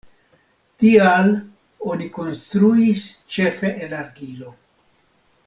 Tial oni konstruis ĉefe el argilo.